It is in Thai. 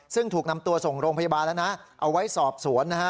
ซึ่งถูกนำตัวส่งโรงพยาบาลแล้วนะเอาไว้สอบสวนนะฮะ